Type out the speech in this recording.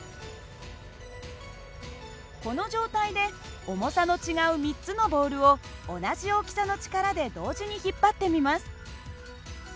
この状態で重さの違う３つのボールを同じ大きさの力で同時に引っ張ってみます。